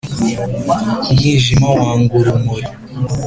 umwijima wanga urumuri